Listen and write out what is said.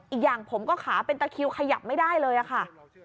อีกอย่างผมก็ขาเป็นตะคิวขยับไม่ได้เลยค่ะ